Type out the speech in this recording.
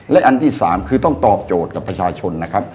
และอันที่๓คือต้องตอบโจทย์กับประชาชนนะครับ